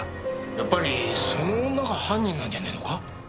やっぱりその女が犯人なんじゃねえのか？